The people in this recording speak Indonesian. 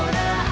gak usah nanya